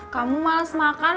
kamu males makan ah